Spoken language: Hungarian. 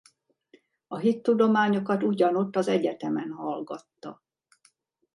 A hittudományokat ugyanott az egyetemen hallgatta.